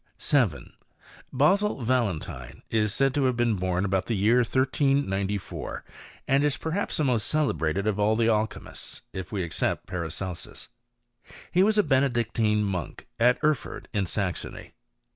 "^ 7. Basil Valentine is said to have been born abotil the year 1394, and is, perhaps, the most celebrated ol all the alchymists, if we except Paracelsus. He yr^$ a Benedictine monk, at Erford, in Saxony.